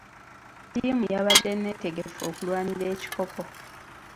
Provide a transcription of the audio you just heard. Ttiimu yabadde neetegefu okulwanira ekikopo.